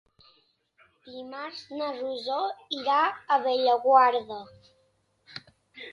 Dimarts na Rosó irà a Bellaguarda.